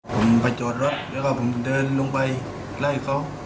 ผมไปจอดรถแล้วก็ผมเดินลงไปไล่เขา